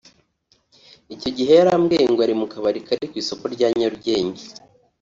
icyo gihe yarambwiye ngo ari mu kabari kari mu isoko rya Nyarugenge